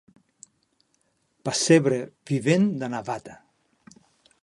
Pessebre vivent de Navata.